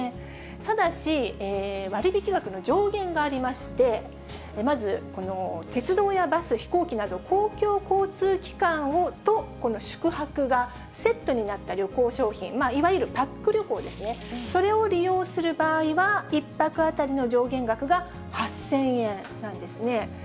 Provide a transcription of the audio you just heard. ただし、割引額の上限がありまして、まず鉄道やバス、飛行機など、公共交通機関と宿泊がセットになった旅行商品、いわゆるパック旅行ですね、それを利用する場合は、１泊当たりの上限額が８０００円なんですね。